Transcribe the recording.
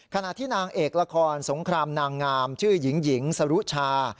ขณะที่นางเอกละครสงครามนางงามชื่อหญิงหญิงสรุชา